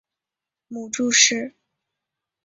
母祝氏。